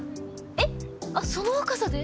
えっ？あっその若さで？